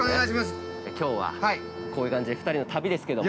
きょうは、こういう感じで２人の旅ですけども。